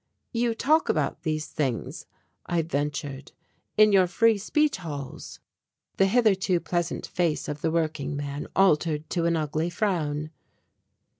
"You talk about these things," I ventured, "in your Free Speech Halls?" The hitherto pleasant face of the workingman altered to an ugly frown.